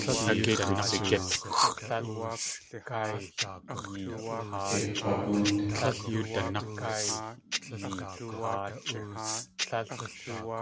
Kei kg̲wagóot.